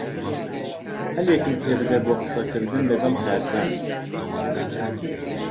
ھەلێکم پێبدە بۆ قسەکردن لەگەڵ کارزان.